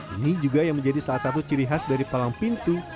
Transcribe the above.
ini juga yang menjadi salah satu ciri khas dari palang pintu